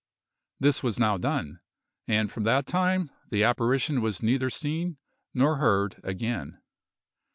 This was now done, and from that time the apparition was neither seen nor heard again.